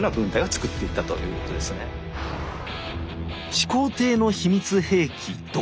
始皇帝の秘密兵器弩。